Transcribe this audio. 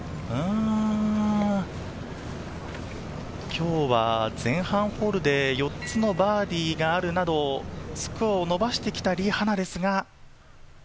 今日は前半ホールで４つのバーディーがあるなど、スコアを伸ばしてきたリ・ハナですが。